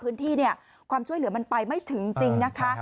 พื้นที่เนี่ยความช่วยเหลือมันไปไม่ถึงจริงนะคะ